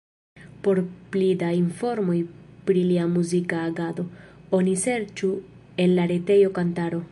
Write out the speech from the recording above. Por pli da informoj pri lia muzika agado, oni serĉu en la retejo Kantaro.